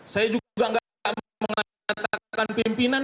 saya juga nggak mengatakan pimpinan